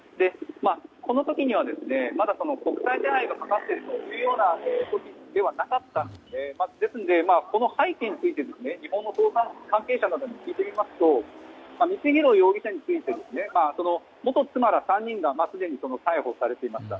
この時には、まだ国際手配がかかっているような動きではなかったのでこの背景について日本の捜査関係者などに聞いてみますと光弘容疑者について元妻ら３人がすでに逮捕されていました。